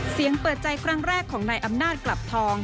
เปิดใจครั้งแรกของนายอำนาจกลับทอง